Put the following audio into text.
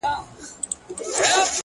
شېرينې ستا د مينې زور ته احترام کومه!